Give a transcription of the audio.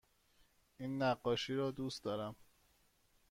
این نقاشی را دوست دارم.